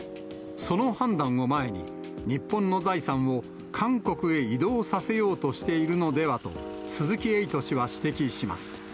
その判断を前に、日本の財産を韓国へ移動させようとしているのではと、鈴木エイト氏は指摘します。